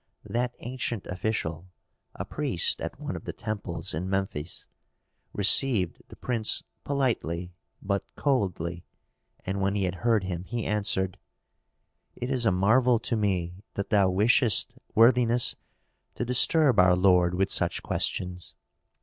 That ancient official, a priest at one of the temples in Memphis, received the prince politely but coldly, and when he had heard him he answered, "It is a marvel to me that thou wishest, worthiness, to disturb our lord with such questions.